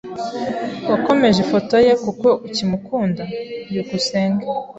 Wakomeje ifoto ye kuko ukimukunda? byukusenge